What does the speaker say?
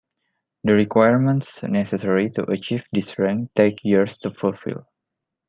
The requirements necessary to achieve this rank take years to fulfill.